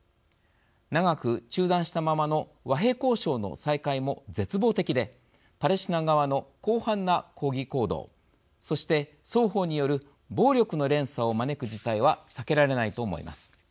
長く中断したままの和平交渉の再開も絶望的でパレスチナ側の広範な抗議行動そして双方による暴力の連鎖を招く事態は避けられないと思います。